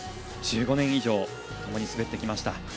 １５年以上ともに滑ってきました。